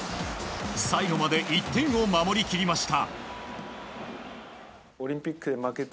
最後まで１点を守り切りました。